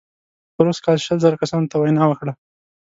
پروسږ کال شل زره کسانو ته وینا وکړه.